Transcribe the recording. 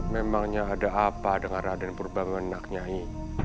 memangnya ada apa dengan raden purba menak nyai